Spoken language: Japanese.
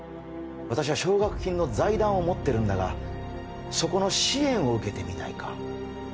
私は奨学金の財団を持ってるんだがそこの支援を受けてみないか？